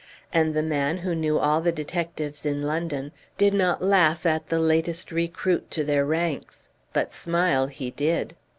And the man who knew all the detectives in London did not laugh at the latest recruit to their ranks; but smile he did.